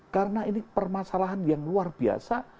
karena ini permasalahan yang luar biasa